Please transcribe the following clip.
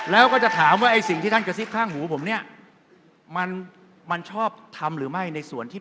แล้วก็จะถามว่าไอ้สิ่งที่ท่านกระซิบข้างหูผมเนี่ยมันมันชอบทำหรือไม่ในส่วนที่